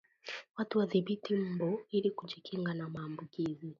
Watu wadhibiti mbu ili kujikinga na maambukizi